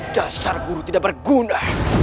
dasar guru tidak berguna